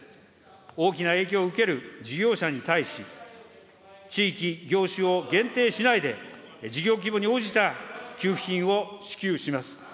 大きな影響を受ける事業者に対し、地域、業種を限定しないで事業規模に応じた給付金を支給します。